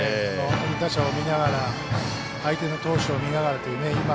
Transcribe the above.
打者を見ながら、相手の投手を見ながらというね。